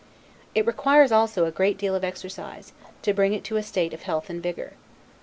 It requires also a great deal of exercise, to bring it to a state of health and vigor.